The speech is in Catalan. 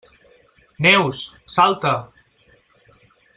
Neus, salta!